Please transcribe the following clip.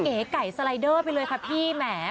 เอ๋ไก่สไลเดอร์ไปเลยค่ะพี่แหม